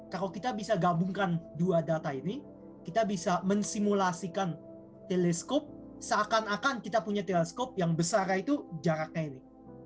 kalau kita bisa gabungkan dua data ini kita bisa mensimulasikan teleskop seakan akan kita punya teleskop yang besarnya itu jaraknya ini